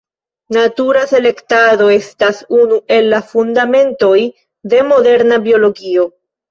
Natura selektado estas unu el la fundamentoj de moderna biologio.